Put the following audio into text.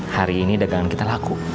hari ini dagangan kita laku